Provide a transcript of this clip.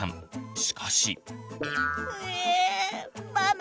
しかし。